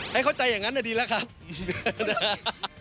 ไม่เข้าใจอย่างนั้นอะดีแล้วก็ค่ะ